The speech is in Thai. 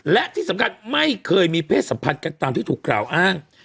และที่สำคัญไม่เคยมีเพศสัมพันธ์กันตามที่ถูกกล่าวอ้าง